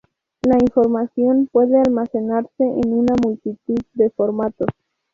La información puede almacenarse en una multitud de formatos.